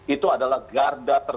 itu adalah garda